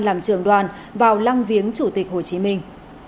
làm trường đoàn vào lăng viếng chủ tịch hồ chí minh